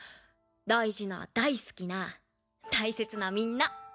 大事な大好きな大切なみんな。